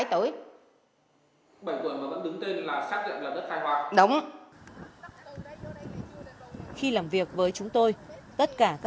tới năm một nghìn chín trăm chín mươi ba bà thị liên mới góp bồ ông phạm phu thạch